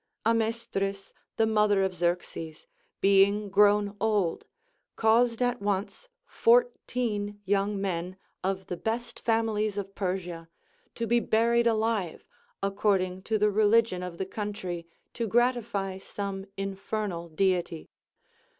Amestris, the mother of Xerxes, being grown old, caused at once fourteen young men, of the best families of Persia, to be buried alive, according to the religion of the country, to gratify some infernal deity.